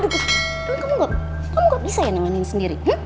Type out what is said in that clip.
kamu gak bisa ya nengangin sendiri